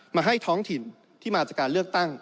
มาให้ท้องถิ่นที่มาจากการเลือกตั้ง